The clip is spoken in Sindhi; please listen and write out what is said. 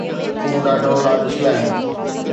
تون ڏاڍو لالچي آهين